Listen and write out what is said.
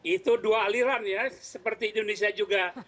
itu dua aliran ya seperti indonesia juga